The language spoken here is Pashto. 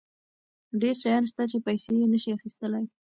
ډېر شیان شته چې پیسې یې نشي اخیستلی.